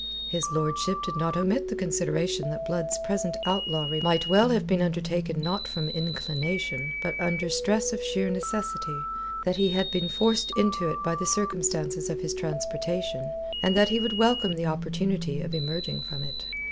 His lordship did not omit the consideration that Blood's present outlawry might well have been undertaken not from inclination, but under stress of sheer necessity; that he had been forced into it by the circumstances of his transportation, and that he would welcome the opportunity of emerging from it.